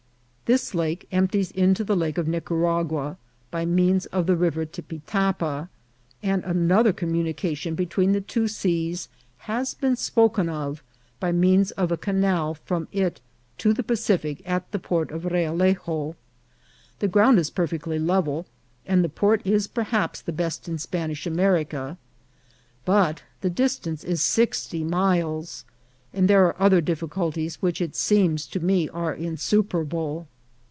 This lake empties into the Lake of Nicaragua by means of the River Tipitapa, and another communication be tween the two seas has been spoken of by means of a canal from it to the Pacific at the port of Realejo. The ground is perfectly level, and the port is perhaps the best in Spanish America ; but the distance is sixty miles, and there are other difficulties which it seems to me are insuperable.